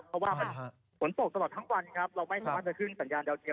เพราะว่ามันฝนตกตลอดทั้งวันครับเราไม่สามารถจะขึ้นสัญญาณดาวเทียม